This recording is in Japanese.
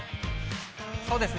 そうですね。